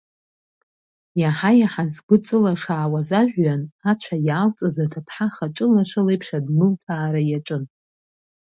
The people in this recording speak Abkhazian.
Иаҳа-иаҳа згәы ҵылашаауаз ажәҩан, ацәа иаалҵыз аҭыԥҳа хаҿылаша леиԥш агәылҭәаара иаҿын.